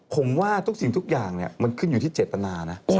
ผมว่าทุกสิ่งทุกอย่างมันขึ้นอยู่ที่เจตนานะ